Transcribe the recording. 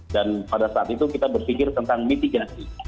dan pada saat itu kita berpikir tentang mitigasi